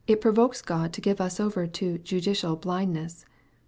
139 God to give us over to judicial blindness.